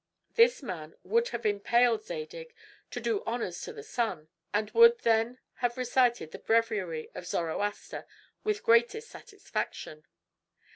This man would have impaled Zadig to do honors to the sun, and would then have recited the breviary of Zoroaster with greater satisfaction.